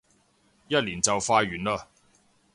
一年就快完嘞